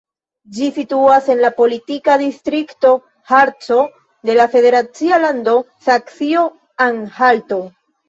Ĝi situas en la politika distrikto Harco de la federacia lando Saksio-Anhalto.